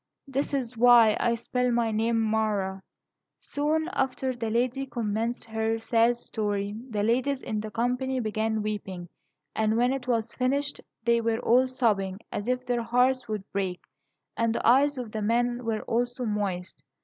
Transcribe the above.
This is why I spell my name Mara." Soon after the lady commenced her sad story, the ladies in the company began weeping; and when it was finished, they were all sobbing as if their hearts would break; and the eyes of the men also were moist.